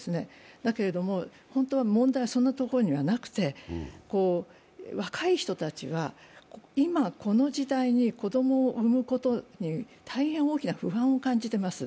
だけれども、本当は問題はそんなところにはなくて若い人たちは今、この時代に子どもを産むことに大変大きな不安を感じています。